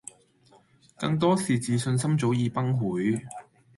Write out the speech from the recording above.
更多是自信心早已崩潰